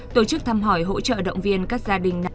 tổ chức tham hỏi hỗ trợ động viên các gia đình nạn